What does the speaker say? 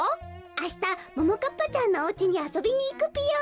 あしたももかっぱちゃんのおうちにあそびにいくぴよ。